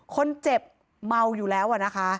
คนเจ็บเมาอยู่แล้วนะคะ